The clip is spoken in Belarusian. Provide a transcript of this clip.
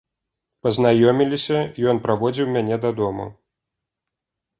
Пазнаёміліся, ён праводзіў мяне дадому.